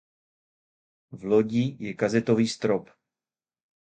V lodi je kazetový strop.